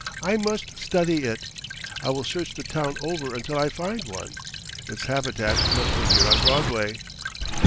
I must study it. I will search the town over until I find one. Its habitat must be here on Broadway."